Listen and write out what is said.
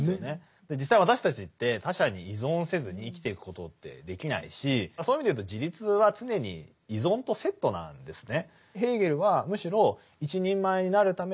実際私たちって他者に依存せずに生きていくことってできないしそういう意味でいうと自立は常に依存とセットなんですね。